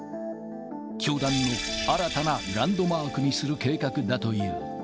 教団の新たなランドマークにする計画だという。